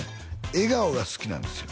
笑顔が好きなんですよ